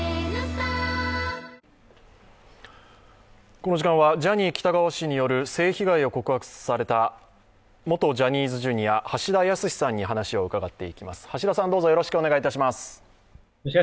この時間はジャニー喜多川氏による性被害を告白された元ジャニーズＪｒ．、橋田康さんにお話を伺っていきます。